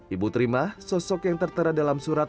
ibu terima sosok yang tertera dalam surat